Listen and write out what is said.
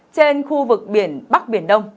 trên khu vực biển bắc biển đông